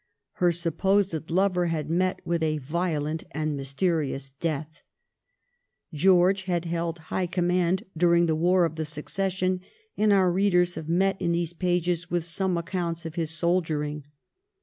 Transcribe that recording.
Her supposed lover had met with a violent and mysterious death. George had held high command during the war of the Succession; and our readers have met in these pages with some accounts of his soldiering.